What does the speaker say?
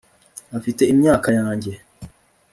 afite imyaka yanjye